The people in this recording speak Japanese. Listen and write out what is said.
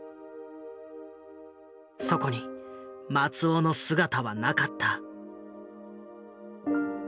そこに松尾の姿はなかった。